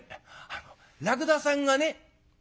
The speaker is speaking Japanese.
「あのらくださんがね」。